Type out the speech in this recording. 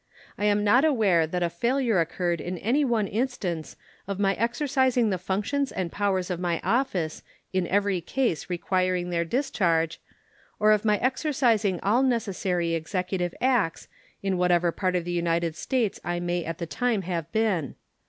I am not aware that a failure occurred in any one instance of my exercising the functions and powers of my office in every case requiring their discharge, or of my exercising all necessary executive acts, in whatever part of the United States I may at the time have been.